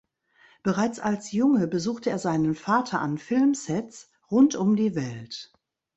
Bereits als Junge besuchte er seinen Vater an Filmsets rund um die Welt.